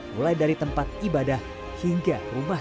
mulai dari tempat ibadah hingga rumah